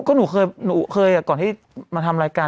ก็หนูเคยหนูเคยก่อนที่มาทำรายการ